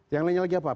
yang lainnya lagi apa